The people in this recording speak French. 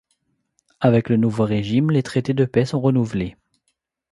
Avec le nouveau régime, les traités de paix sont renouvelés.